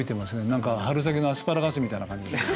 何か春先のアスパラガスみたいな感じで。